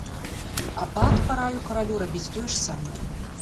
Абат параіў каралю рабіць тое ж самае.